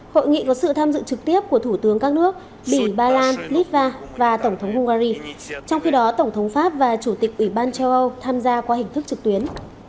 hội nghị có sự tham dự trực tiếp của thủ tướng các nước bỉ ba lan litva và tổng thống hungary trong khi đó tổng thống pháp và chủ tịch ủy ban châu âu tham gia qua hình thức trực tuyến